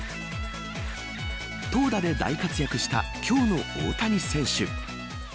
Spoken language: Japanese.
投打で大活躍した今日の大谷選手。